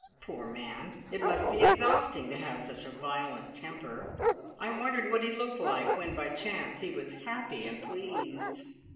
Poor man! It must be exhausting to have such a violent temper. I wondered what he looked like when by chance he was happy and pleased!